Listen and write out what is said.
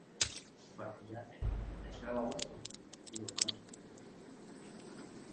Bularrera eraman zuen don Ottaviok eskua.